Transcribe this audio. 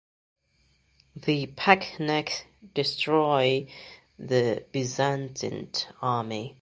The Pechenegs destroy the Byzantine army.